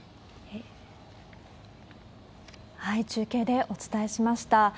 中継でお伝えしました。